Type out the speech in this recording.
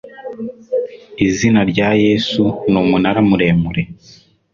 izina rya yesu numunara muremure